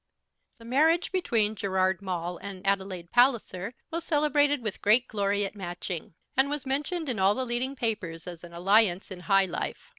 The marriage between Gerard Maule and Adelaide Palliser was celebrated with great glory at Matching, and was mentioned in all the leading papers as an alliance in high life.